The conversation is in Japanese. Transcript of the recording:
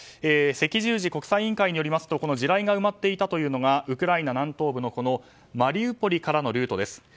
赤十字国際委員会によりますと地雷が埋まっていたというのがウクライナ南東部のマリウポリからのルートです。